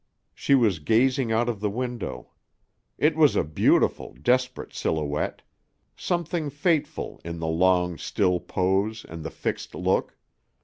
She was gazing out of the window. It was a beautiful, desperate silhouette; something fateful in the long, still pose and the fixed look.